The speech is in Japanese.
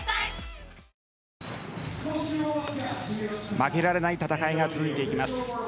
負けられない戦いが続いていきます。